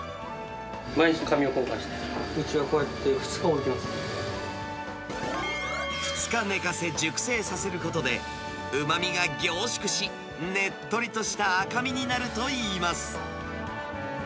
毎日紙を交換して、２日寝かせて熟成させることで、うまみが凝縮し、ねっとりとした赤身になるといいます。